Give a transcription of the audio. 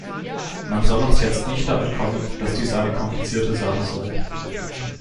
Man soll uns jetzt nicht damit kommen, dass dies eine komplizierte Sache sei.